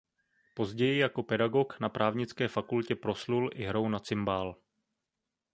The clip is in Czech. Později jako pedagog na právnické fakultě proslul i hrou na cimbál.